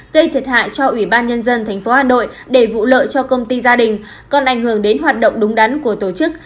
gây thiệt hại cho ubnd tp hà nội để vụ lợi cho công ty gia đình còn ảnh hưởng đến hoạt động đúng đắn của tổ chức